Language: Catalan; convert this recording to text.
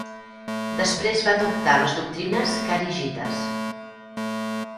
Després va adoptar les doctrines kharigites.